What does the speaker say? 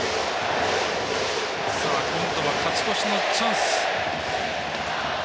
今度は勝ち越しのチャンス。